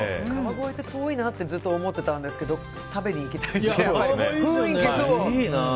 川越って遠いなってずっと思ってたんですけど食べに行きたいですね。